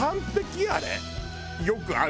よくある。